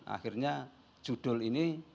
akhirnya judul ini